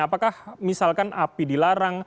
apakah misalkan api dilarang